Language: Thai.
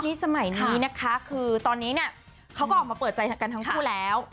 ยุคนี้สมัยนี้นะคะคือตอนนี้เขาก็ออกมาเปิดใจกันทั้งคุณแล้ว